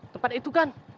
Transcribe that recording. tempat itu kan